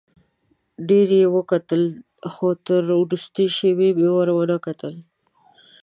ډېر یې راوکتل خو تر وروستۍ شېبې مې ور ونه کتل.